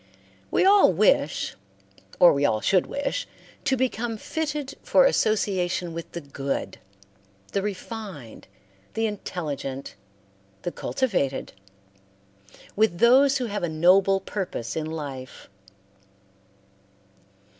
We all wish, or we all should wish, to become fitted for association with the good, the refined, the intelligent, the cultivated, with those who have a noble purpose in life.